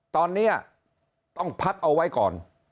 ตอนนี้ต้องพักเอาไว้ก่อน